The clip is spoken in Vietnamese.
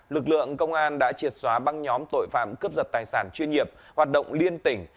lực lượng công an đã triệt xóa băng nhóm tội phạm cướp giật tài sản chuyên nghiệp hoạt động liên tỉnh